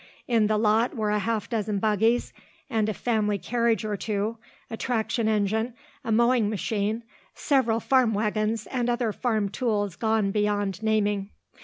In the lot were a half dozen buggies and a family carriage or two, a traction engine, a mowing machine, several farm wagons and other farm tools gone beyond naming.